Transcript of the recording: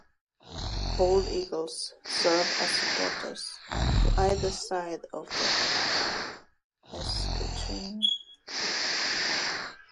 Bald eagles serve as supporters to either side of the escutcheon.